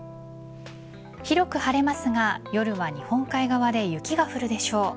広く晴れますが夜は日本海側で雪が降るでしょう。